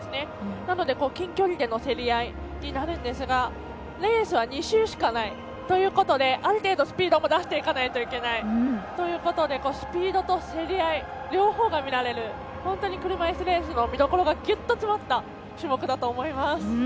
なので、近距離での競り合いになるんですがレースは２周しかないということである程度、スピードも出していかないといけないということでスピードと競り合い両方が見られる本当に車いすレースの見どころがぎゅっと詰まった種目だと思います。